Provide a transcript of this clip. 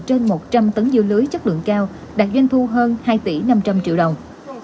trên một trăm linh tấn dưa lưới chất lượng cao đạt doanh thu hơn hai tỷ năm trăm linh triệu đồng